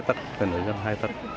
thầy cho phải lan nồn khắc phục lụt lụt